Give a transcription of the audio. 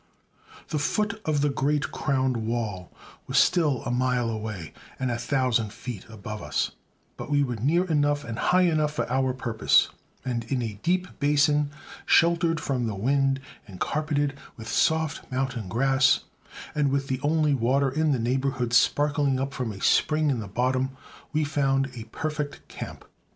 The foot of the great crown wall was still a mile away and 1,000 feet above us, but we were near enough and high enough for our purpose; and in a deep basin, sheltered from the wind and carpeted with softest mountain grass, and with the only water in the neighborhood sparkling up from a spring in the bottom, we found a perfect camp.